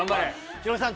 ヒロミさん